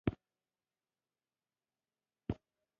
بدرنګه خندا ریاکارانه ښکاري